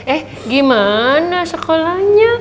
eh gimana sekolahnya